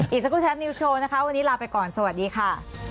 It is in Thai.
อีกสักครู่แท็บนิวส์โชว์นะคะวันนี้ลาไปก่อนสวัสดีค่ะ